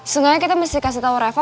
setidaknya kita mesti kasih tau reva